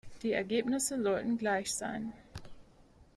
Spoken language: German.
Die Ergebnisse sollten gleich sein.